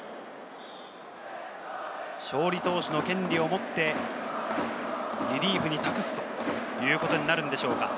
勝利投手の権利を持って、リリーフに託すということになるんでしょうか。